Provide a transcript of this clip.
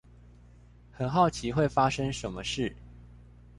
很好奇會發生什麼事